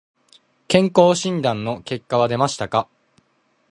健康診断の結果は出ましたか。